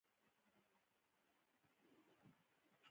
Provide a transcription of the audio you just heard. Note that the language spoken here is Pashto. د ګډون بلنه نه ده ورکړل شوې